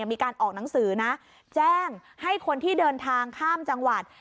มีการออกหนังสือนะแจ้งให้คนที่เดินทางข้ามจังหวัด